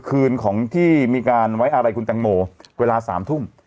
คืนของที่มีการไว้อะไรคุณแตงโมเวลา๓ทุ่ม